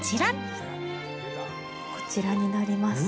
こちらになります。